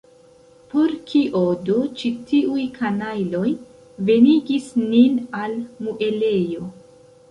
Por kio do ĉi tiuj kanajloj venigis nin al muelejo?